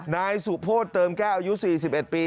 นายสุโพธิเติมแก้วอายุ๔๑ปี